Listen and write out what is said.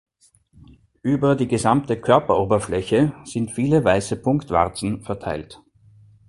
Über die gesamte Körperoberfläche sind viele weiße Punktwarzen verteilt.